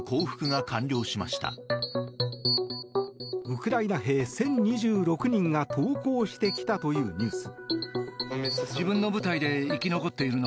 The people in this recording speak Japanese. ウクライナ兵１０２６人が投降してきたというニュース。